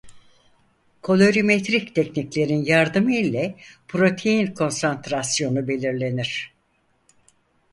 Kolorimetrik tekniklerin yardımı ile protein konsantrasyonu belirlenir.